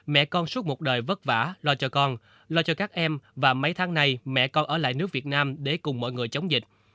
mẹ con suốt một đời vất vả lo cho con lo cho các em và mấy tháng nay mẹ con ở lại nước việt nam để cùng mọi người chống dịch